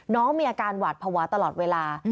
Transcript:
น้องมีอาการหวาดภาวะตลอดเวลา